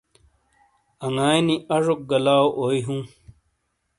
انگائی نیاجوک گہ لاؤاوئی ہوں۔